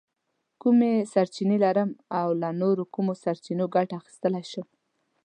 کومې سرچینې لرم او له نورو کومو سرچینو ګټه اخیستلی شم؟